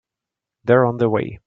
They're on their way.